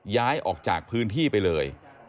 ย้ายออกจากพื้นที่ไปเลย